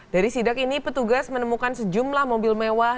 dari sidak ini petugas menemukan sejumlah mobil mewah